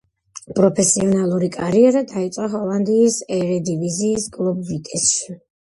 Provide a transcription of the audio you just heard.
პროფესიონალური კარიერა დაიწყო ჰოლანდიის ერედივიზიის კლუბ „ვიტესში“.